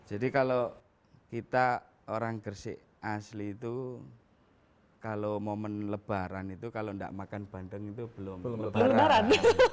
jadi kalau kita orang gersik asli itu kalau momen lebaran itu kalau enggak makan bandeng itu belum lebaran